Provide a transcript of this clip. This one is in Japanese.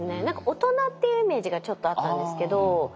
何か大人っていうイメージがちょっとあったんですけど。